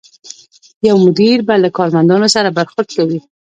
یو مدیر به له کارمندانو سره برخورد کوي.